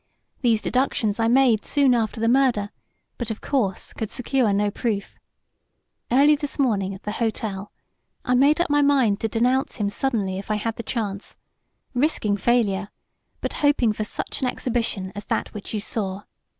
These deductions I made soon after the murder, but, of course, could secure no proof. Early this morning, at the hotel, I made up my mind to denounce him suddenly if I had the chance, risking failure but hoping for such an exhibition as that which you saw.